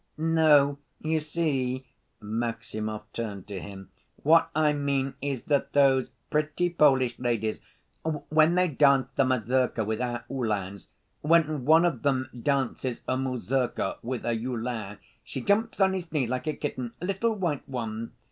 "No, you see," Maximov turned to him. "What I mean is that those pretty Polish ladies ... when they danced the mazurka with our Uhlans ... when one of them dances a mazurka with a Uhlan she jumps on his knee like a kitten ... a little white one